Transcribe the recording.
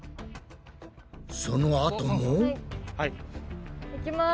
そのあとも。いきます。